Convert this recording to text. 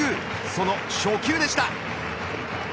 その初球でした。